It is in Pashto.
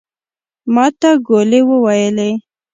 ماته ګولي وويلې.